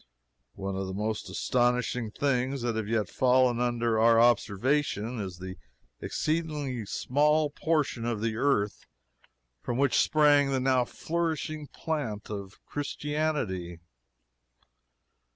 One of the most astonishing things that have yet fallen under our observation is the exceedingly small portion of the earth from which sprang the now flourishing plant of Christianity.